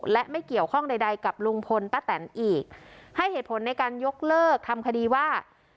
และไม่เกี่ยวข้องใดใดกับลุงพลป้าแตนอีกให้เหตุผลในการยกเลิกทำคดีว่า